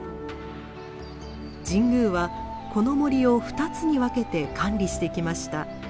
神宮はこの森を２つに分けて管理してきました。